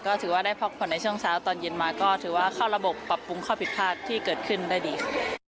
ก็ถือว่าได้พักผ่อนในช่วงเช้าตอนเย็นมาก็ถือว่าเข้าระบบปรับปรุงข้อผิดพลาดที่เกิดขึ้นได้ดีค่ะ